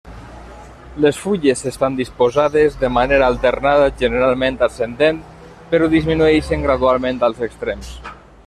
Les fulles estan disposades de manera alternada, generalment ascendent, però disminueixen gradualment als extrems.